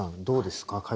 どうですか？